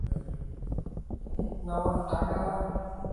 ঢাকায় নেমে বিমানবন্দর থেকে কাল সরাসরি চলে এসেছেন মতিঝিলে মোহামেডান ক্লাবে।